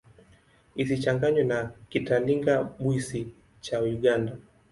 Isichanganywe na Kitalinga-Bwisi cha Uganda.